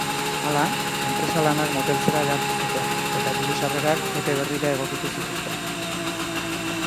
Hala, enpresa lanak moteltzera behartu zuten eta diru-sarrerak epe berrira egokitu zituzten.